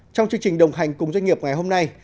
trong chương trình đồng hành cùng doanh nghiệp ngày hôm nay